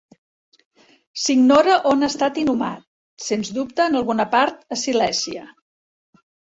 S'ignora on ha estat inhumat, sens dubte en alguna part a Silèsia.